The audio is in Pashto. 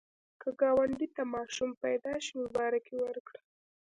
که ګاونډي ته ماشوم پیدا شي، مبارکي ورکړه